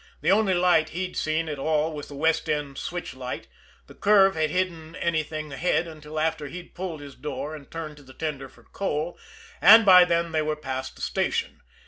The only light he'd seen at all was the west end switch light, the curve had hidden anything ahead until after he'd pulled his door and turned to the tender for coal, and by then they were past the station.